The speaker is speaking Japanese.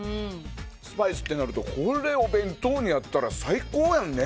スパイスとなるとこれは弁当にあったら最高やんね。